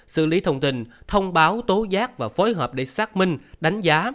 xử lý thông tin thông báo tố giác và phối hợp để xác minh đánh giá